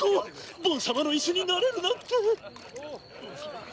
ボン様のイスになれるなんて！